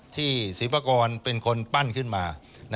ที่ศิพธุ์ภาคนเป็นคนปั้นขึ้นมา